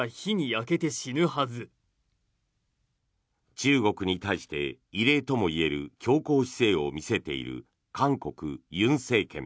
中国に対して、異例ともいえる強硬姿勢を見せている韓国、尹政権。